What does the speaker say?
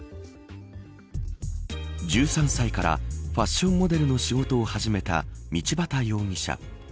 １３歳からファッションモデルの仕事を始めた道端容疑者。